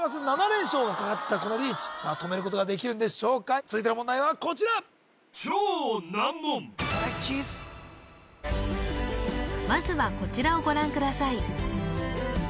７連勝がかかったこのリーチ止めることができるんでしょうか続いての問題はこちらまずはこちらをご覧ください